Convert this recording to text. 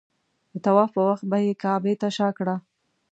د طواف په وخت به یې کعبې ته شا کړه.